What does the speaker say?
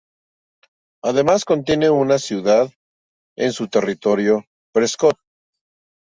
Además, contiene una ciudad en su territorio, Prescott.